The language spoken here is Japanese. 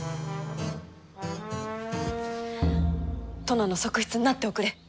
殿の側室になっておくれ。